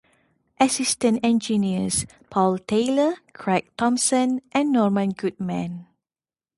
Assistant engineers: Paul Taylor, Craig Thompson and Norman Goodman.